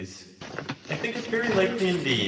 I think it very likely indeed.